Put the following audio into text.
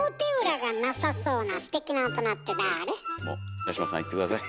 八嶋さんいって下さい。